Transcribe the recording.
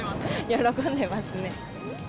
喜んでますね。